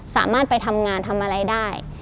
สามารถไปทำงานทำอะไรได้